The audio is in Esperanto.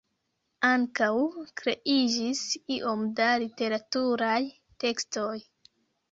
Ankaŭ kreiĝis iom da literaturaj tekstoj.